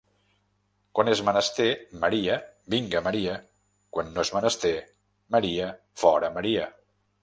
Quan és menester Maria, vinga Maria; quan no és menester Maria, fora Maria.